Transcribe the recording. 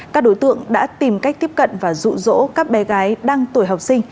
các đối tượng đã tìm cách tiếp cận và rụ rỗ các bé gái đang tuổi học sinh